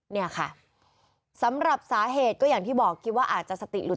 เนี่ยค่ะสำหรับสาเหตุก็อย่างที่บอกคิดว่าอาจจะสติหลุด